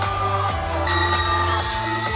พอเอามาฉายตอนกลางคืนอย่างเงี้ยบางทีด้วยเรื่องของเวลาอะไรต่างต่าง